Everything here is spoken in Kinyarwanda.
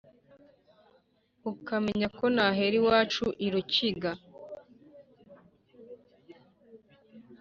ukamenya ko nahera iwacu i rukiga,